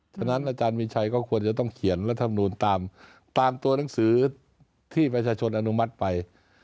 ฉะนั้นอาจารย์มีชัยก็ควรจะต้องเขียนรัฐมนูลตามตัวหนังสือที่ประชาชนอนุมัติไป